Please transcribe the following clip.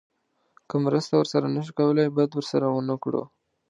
که مرسته ورسره نه شو کولی بد ورسره ونه کړو.